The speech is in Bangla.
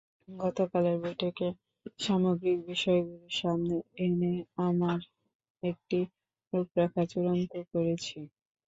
গতকালের বৈঠকে সামগ্রিক বিষয়গুলো সামনে এনে আমরা একটি রূপরেখা চূড়ান্ত করেছি।